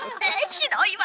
ひどいわ。